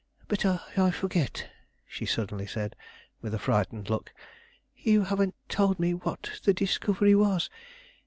But I forget," she suddenly said, with a frightened look; "you haven't told me what the discovery was.